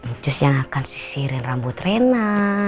itu yang akan sisirin rambut rena